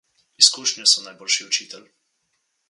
Izkušnje so najboljši učitelj.